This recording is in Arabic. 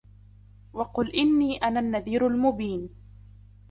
وقل إني أنا النذير المبين